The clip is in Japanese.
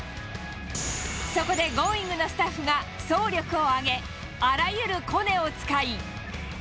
そこでＧｏｉｎｇ！のスタッフが総力を挙げ、あらゆるコネを使い。